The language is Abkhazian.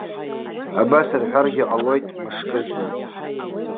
Абас рҳәаргьы ҟалоит мышкы зны.